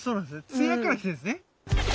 つやからきてるんですね。